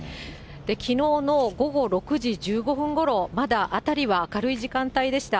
きのうの午後６時１５分ごろ、まだ辺りは明るい時間帯でした。